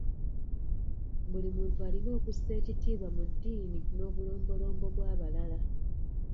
Buli muntu alina okussa ekitiibwa mu ddiini n'obulombolombo bw'abalala.